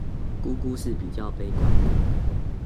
姑姑是比較悲觀的